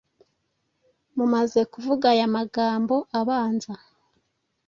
Mumaze kuvuga aya magambo abanza